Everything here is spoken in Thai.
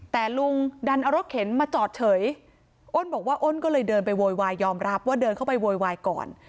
แต่ลุงดันเอารถเข็นมาจอดเฉยอ้นบอกว่าอ้นก็เลยเดินไปโวยวายยอมรับว่าเดินเข้าไปโวยวายก่อน